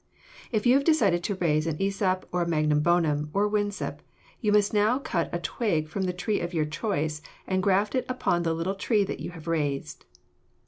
If you have decided to raise an Æsop or a Magnum Bonum or a Winesap, you must now cut a twig from the tree of your choice and graft it upon the little tree that you have raised.